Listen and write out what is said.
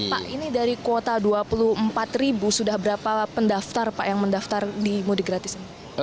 pak ini dari kuota dua puluh empat ribu sudah berapa pendaftar pak yang mendaftar di mudik gratis ini